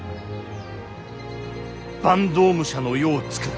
坂東武者の世をつくる。